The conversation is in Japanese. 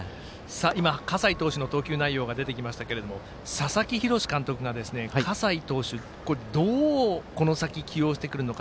今、葛西投手の投球内容が出てきましたが佐々木洋監督が葛西投手どうこの先起用してくるのか。